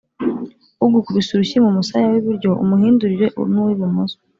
ugukubise urushyi mu musaya w’iburyo umuhindurire n’uw’ibumoso